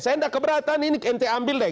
saya tidak keberatan ini nt ambil deh